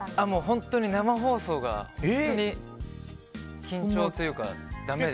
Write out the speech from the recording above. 本当に生放送が本当に緊張というか、だめで。